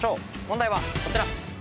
問題はこちら。